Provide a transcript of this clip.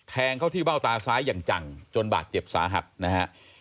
แทงเข้าที่เบ้าตาซ้ายอย่างจังจนบาดเจ็บสาหัสนะฮะ